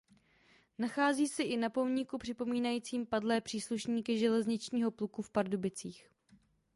Nachází se i na pomníku připomínajícím padlé příslušníky Železničního pluku v Pardubicích.